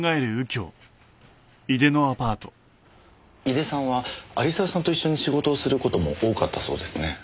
井出さんは有沢さんと一緒に仕事をする事も多かったそうですね。